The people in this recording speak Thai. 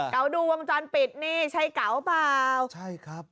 ดูวงจรปิดนี่ใช่เก๋าเปล่าใช่ครับ